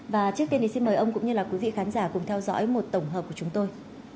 và trước tiên thì xin mời ông cũng như là quý vị khán giả cùng theo dõi một tổng hợp của chúng tôi